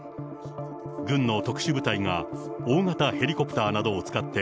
軍の特殊部隊が大型ヘリコプターなどを使って、